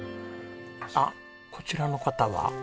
あっこちらの方は？